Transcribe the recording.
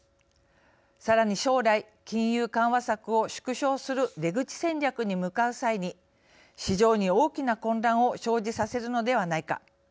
さらに、将来金融緩和策を縮小する出口戦略に向かう際に市場に大きな混乱を生じさせるのではないか。